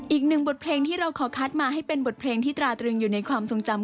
อีกหนึ่งบทเพลงที่เราขอคัดมาให้เป็นบทเพลงที่ตราตรึงอยู่ในความทรงจำ